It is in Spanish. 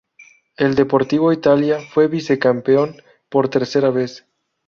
El Deportivo Italia fue vicecampeón por tercera vez.